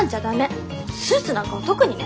スーツなんかは特にね。